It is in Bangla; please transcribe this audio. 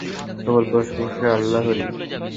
সকল প্রশংসা আল্লাহরই।